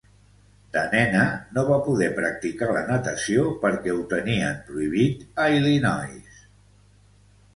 De nena no va poder practicar la natació perquè ho tenien prohibit a Illinois.